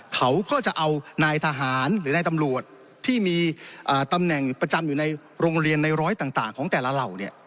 เขาก็จะเอานายทหารหรือนายตำรวจที่มีตำแหน่งประจำอยู่ในโรงเรียนในร้อยต่างของแต่ละเหล่า